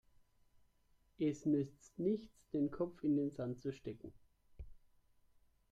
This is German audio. Es nützt nichts, den Kopf in den Sand zu stecken.